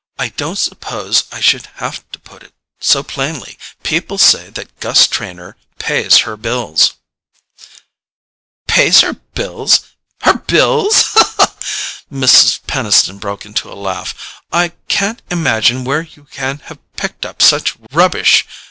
"I didn't suppose I should have to put it so plainly. People say that Gus Trenor pays her bills." "Pays her bills—her bills?" Mrs. Peniston broke into a laugh. "I can't imagine where you can have picked up such rubbish.